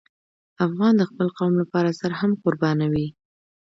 افغان د خپل قوم لپاره سر هم قربانوي.